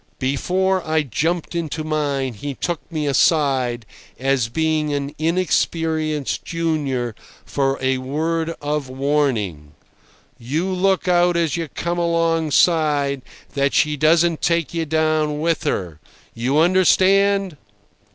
Before I jumped into mine he took me aside, as being an inexperienced junior, for a word of warning: "You look out as you come alongside that she doesn't take you down with her. You understand?"